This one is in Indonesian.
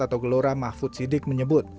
atau gelora mahfud sidik menyebut